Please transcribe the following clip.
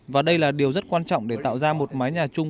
và đây là điều rất quan trọng để tạo ra một mái nhà chung